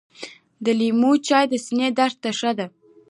د لیمو چای د ستوني درد ته ښه دي .